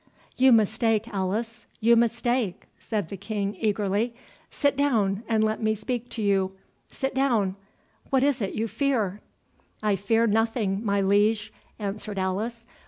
"You mistake, Alice—you mistake," said the King, eagerly. "Sit down and let me speak to you—sit down—What is't you fear?" "I fear nothing, my liege," answered Alice.